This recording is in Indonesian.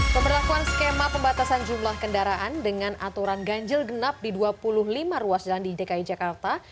pemberlakuan skema pembatasan jumlah kendaraan dengan aturan ganjil genap di dua puluh lima ruas jalan di dki jakarta